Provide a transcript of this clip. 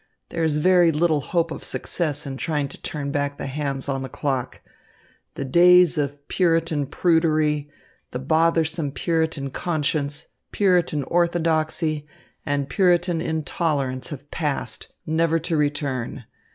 There is very little hope of success in trying to turn back the hands on the clock. The days of Puritan prudery, the bothersome Puritan conscience, Puritan orthodoxy, and Puritan intolerance have passed, never to return.